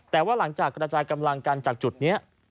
แต่ว่าหลังจากกระจายกำลังกันจากจุดนี้